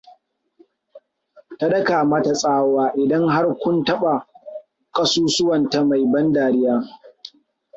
Ta daka mata tsawa idan har kun taɓa ƙasusuwanta mai ban dariya.